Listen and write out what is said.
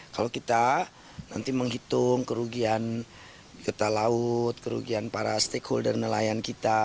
kalau kita nanti menghitung kerugian kita laut kerugian para stakeholder nelayan kita